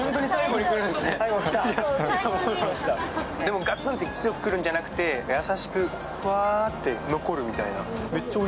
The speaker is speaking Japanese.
ガツンと強くくるんじゃなくて優しくふわと残るみたいな。